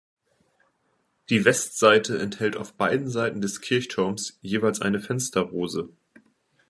Die Westseite enthält auf beiden Seiten des Kirchturms jeweils eine Fensterrose.